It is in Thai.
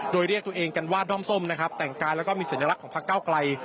โดยเรียกตัวเองการวาดน้อมส้มแต่งการและมีสัญลักษณ์ของพักเก้าไกร